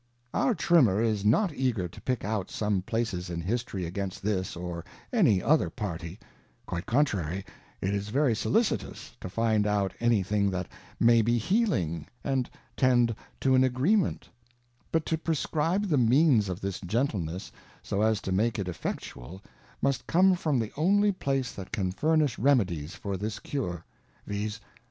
^ Our Trimmer is not eager to pick out some places in His tory against this or any other Party ; quite contrary, is very sollicitous to find out any thing that may be healing, and tend , to an_Agre£ment ; but tO prescribe the means of this Gentleness so as to make it effectual, mus^come fromjhe only place that can furnish Reniedies for this Cure, viz.